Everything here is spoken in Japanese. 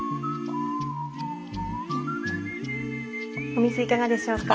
お水いかがでしょうか？